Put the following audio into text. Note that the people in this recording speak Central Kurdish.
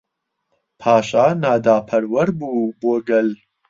پاشا ناداپەروەر بوو بۆ گەل.